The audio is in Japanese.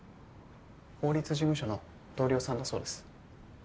法律事務所の同僚さんだそうです。